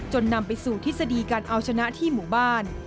นำไปสู่ทฤษฎีการเอาชนะที่หมู่บ้าน